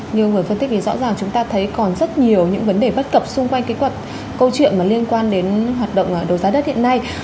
nhiều người phân tích thì rõ ràng chúng ta thấy còn rất nhiều những vấn đề bất cập xung quanh cái câu chuyện mà liên quan đến hoạt động đấu giá đất hiện nay